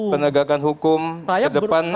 penegakan hukum ke depan